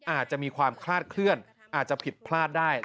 อาจจะมีความคลาดเคลื่อนอาจจะผิดพลาดได้